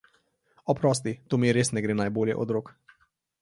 Oprosti, to mi res ne gre najbolje od rok.